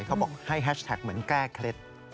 เขาบอกให้แฮชแท็กเหมือนแก้เคล็ด